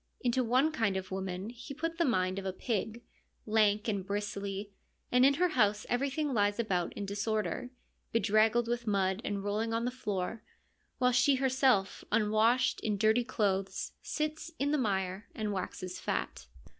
Into one kind of woman He put the mind of a pig, lank and bristly, and in her house everything lies about in disorder, bedraggled with mud and rolling on the floor, while she herself, unwashed, in dirty clothes sits in the mire and waxes fat.